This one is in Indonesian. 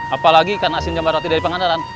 apalagi ikan asin jambal roti dari pengandaran